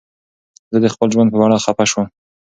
زه د خپل ژوند په اړه خفه شوم.